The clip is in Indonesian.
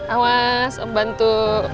awas om bantu